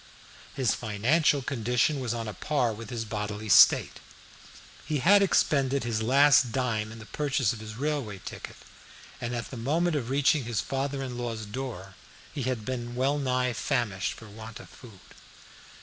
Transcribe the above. His financial condition was on a par with his bodily state. He had expended his last dime in the purchase of his railway ticket, and at the moment of reaching his father in law's door he had been well nigh famished for want of food.